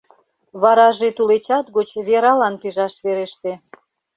Вараже тулечат гоч вералан пижаш вереште.